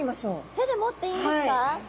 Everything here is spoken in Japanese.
手で持っていいんですか？